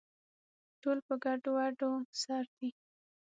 ټول په ګډووډو سر دي